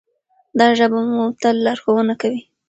دا ژبه به مو تل لارښوونه کوي.